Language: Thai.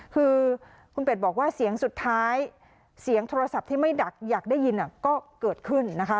คือคุณเป็ดบอกว่าเสียงสุดท้ายเสียงโทรศัพท์ที่ไม่ดักอยากได้ยินก็เกิดขึ้นนะคะ